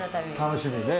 楽しみね。